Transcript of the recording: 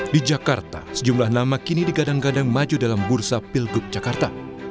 di jakarta sejumlah nama kini digadang gadang maju dalam bursa pilgub jakarta